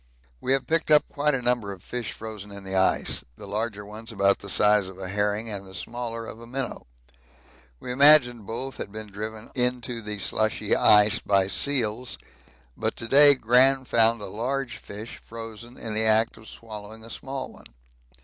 We have picked up quite a number of fish frozen in the ice the larger ones about the size of a herring and the smaller of a minnow. We imagined both had been driven into the slushy ice by seals, but to day Gran found a large fish frozen in the act of swallowing a small one.